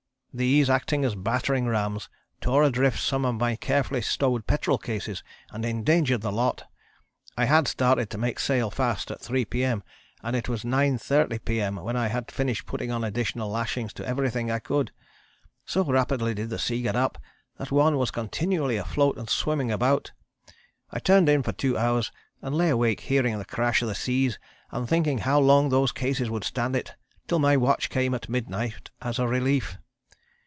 These, acting as battering rams, tore adrift some of my carefully stowed petrol cases and endangered the lot. I had started to make sail fast at 3 P.M. and it was 9.30 P.M. when I had finished putting on additional lashings to everything I could. So rapidly did the sea get up that one was continually afloat and swimming about. I turned in for 2 hours and lay awake hearing the crash of the seas and thinking how long those cases would stand it, till my watch came at midnight as a relief.